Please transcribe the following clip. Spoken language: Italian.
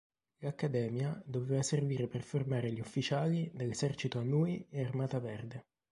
L'accademia doveva servire per formare gli ufficiali dell'esercito Anhui e Armata Verde.